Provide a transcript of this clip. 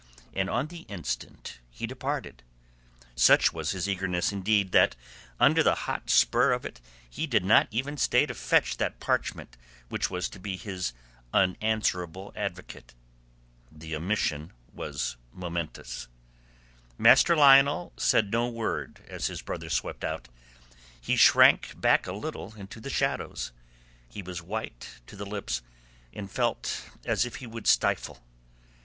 And on the instant he departed. Such was his eagerness, indeed, that under the hot spur of it he did not even stay to fetch that parchment which was to be his unanswerable advocate. The omission was momentous. Master Lionel said no word as his brother swept out. He shrank back a little into the shadows. He was white to the lips and felt as he would stifle.